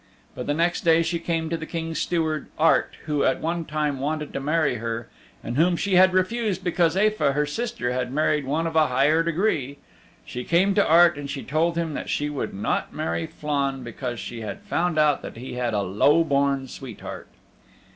But the next day she came to the King's Steward, Art, who at one time wanted to marry her, and whom she had refused because Aefa, her sister, had married one of a higher degree she came to Art and she told him that she would not marry Flann because she had found out that he had a low born sweetheart.